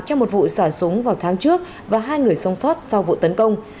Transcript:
trong một vụ xả súng vào tháng trước và hai người sống sót sau vụ tấn công